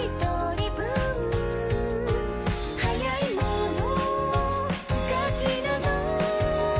「はやいものがちなの」